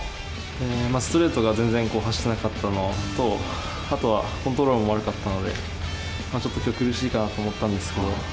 ストレートが全然走ってなかったのと、あとはコントロールも悪かったので、ちょっときょう、苦しいかな